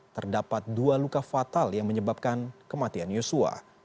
terdapat dua luka fatal yang menyebabkan kematian yosua